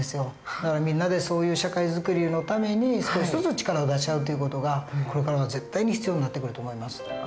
だからみんなでそういう社会作りのために少しずつ力を出し合うという事がこれからは絶対に必要になってくると思います。